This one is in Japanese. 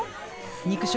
肉食。